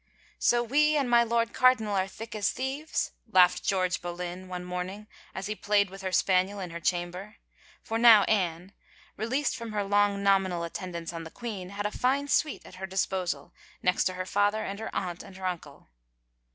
" So we and my Lord Cardinal are thick as thieves ?" laughed George Boleyn one morning as he played with her spaniel in her chamber, for now Anne, released from her long nominal attendance on the queen, had a fine suite at her disposal next to her father and her aunt and uncle.